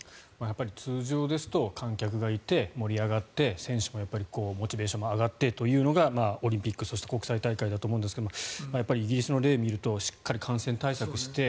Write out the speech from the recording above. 通常ですと観客がいて、盛り上がって選手もやっぱりモチベーションも上がってというのがオリンピックそして国際大会だと思うんですがやっぱりイギリスの例を見るとしっかり感染対策をして。